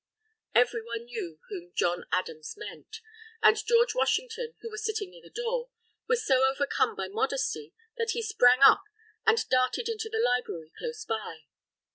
Every one knew whom John Adams meant. And George Washington, who was sitting near the door, was so overcome by modesty, that he sprang up and darted into the library close by.